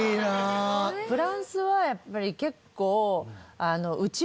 フランスはやっぱり結構。